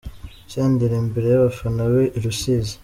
Senderi imbere y'abafana be i Rusizi.